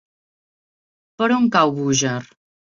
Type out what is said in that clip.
Per on cau Búger?